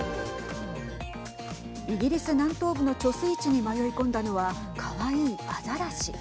イギリス南東部の貯水池に迷い込んだのはかわいい、あざらし。